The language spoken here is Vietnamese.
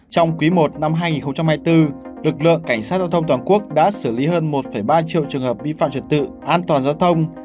trong quý i năm hai nghìn hai mươi bốn lực lượng cảnh sát giao thông toàn quốc đã xử lý hơn một ba triệu trường hợp vi phạm trật tự an toàn giao thông